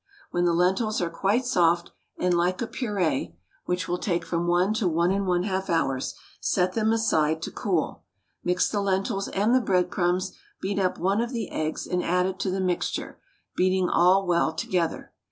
When the lentils are quite soft, and like a pureé (which will take from 1 to 1 1/2 hours), set them aside to cool. Mix the lentils and the breadcrumbs, beat up one of the eggs and add it to the mixture, beating all well together.